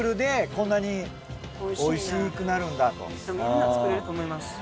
みんな作れると思います。